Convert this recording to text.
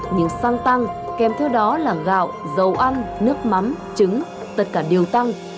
nhưng xăng tăng kèm theo đó là gạo dầu ăn nước mắm trứng tất cả đều tăng